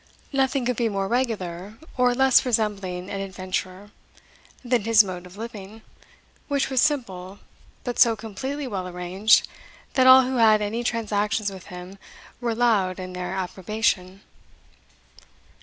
Nothing could be more regular, or less resembling an adventurer, than his mode of living, which was simple, but so completely well arranged, that all who had any transactions with him were loud in their approbation.